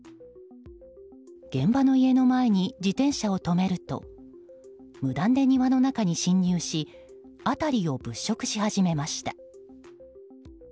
現場の家の前に自転車を止めると無断で庭の中に侵入し辺りを物色し始めました。